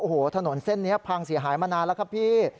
โอ้โหถนนเส้นนี้พังเสียหายมานานแล้วครับพี่